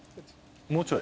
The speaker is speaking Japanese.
もうちょい？